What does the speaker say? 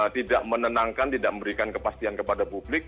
tidak menenangkan tidak memberikan kepastian kepada publik